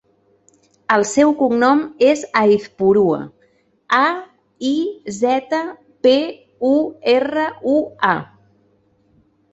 El seu cognom és Aizpurua: a, i, zeta, pe, u, erra, u, a.